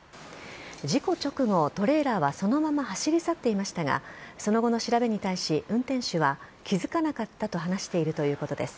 事故直後、トレーラーはそのまま走り去っていましたがその後の調べに対し運転手は気付かなかったと話しているということです。